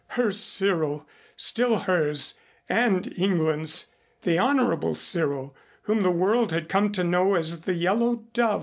Her Cyril, still hers, and England's the Honorable Cyril whom the world had come to know as the Yellow Dove.